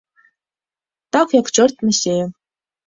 Так як чорт насее!